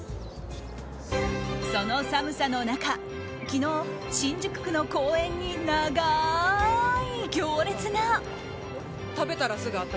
その寒さの中昨日、新宿区の公園に長い行列が。